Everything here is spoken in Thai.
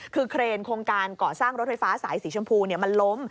คือเครนโครงการก่อสร้างรถไฟฟ้าสายสีชมพูมันล้ม